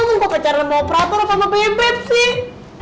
mau ke caran sama operator apa sama bebet sih